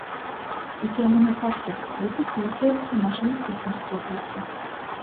Itei muna pase, a ite — tīseibys i mašynys tehniskuo pase.